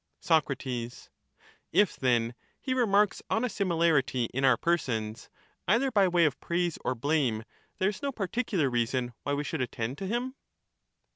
Soc, If, then, he remarks on a similarity in our persons, either by way of praise or blame, there is no particular reason why we should attend to him.